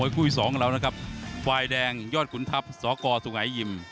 ปลายแดงยอดคุณทัพสกสุงัยยิม